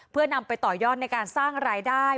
เพื่อนำไปต่อยอดในการสร้างรายได้